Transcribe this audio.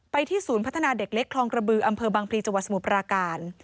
ที่ศูนย์พัฒนาเด็กเล็กคลองกระบืออำเภอบังพลีจังหวัดสมุทรปราการ